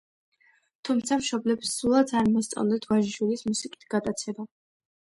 თუმცა მშობლებს სულაც არ მოსწონდათ ვაჟიშვილის მუსიკით გატაცება.